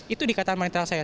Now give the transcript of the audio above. itu dikatakan panitra saya